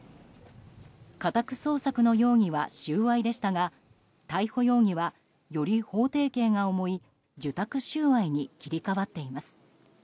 家宅捜索の容疑は収賄でしたが逮捕容疑は、より法廷刑が重い受託収賄に切り替わっています。